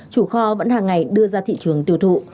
chủ kho vẫn hàng ngày đưa ra thị trường tiêu thụ